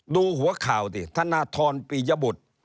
ดูหัวข่าวดิท่านนาทรปียบุตร